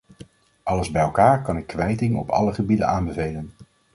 Alles bij elkaar kan ik kwijting op alle gebieden aanbevelen.